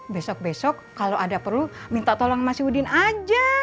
besok besok kalau ada perlu minta tolong mas yudin aja